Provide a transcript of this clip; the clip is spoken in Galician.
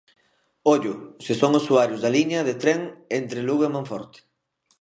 Ollo, se son usuarios da liña de tren entre Lugo e Monforte.